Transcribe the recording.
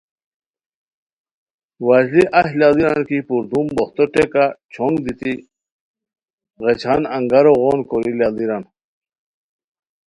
وشلی اہی لاڑیرانکی پردوم بوہتو ٹیکہ چونگ دیتی غیچھان انگارو غون کوری لاڑیران